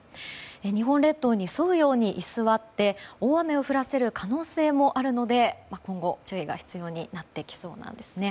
日本列島に沿うように居座って大雨を降らせる可能性もあるので今後、注意が必要になってきそうです。